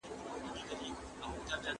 ¬ لمر په دوو گوتو نه پټېږي.